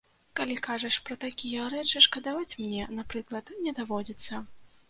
Калі кажаш пра такія рэчы, шкадаваць мне, напрыклад, не даводзіцца.